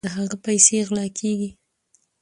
د هغه پیسې غلا کیږي.